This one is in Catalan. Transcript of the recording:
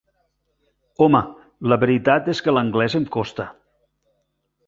Home, la veritat és que l'anglès em costa.